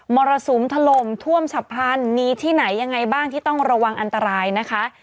รสุมถล่มท่วมฉับพลันมีที่ไหนยังไงบ้างที่ต้องระวังอันตรายนะคะ